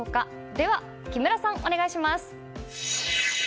では木村さん、お願いします！